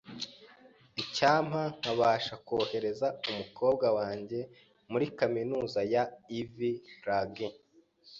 Icyampa nkabasha kohereza umukobwa wanjye kaminuza ya Ivy League.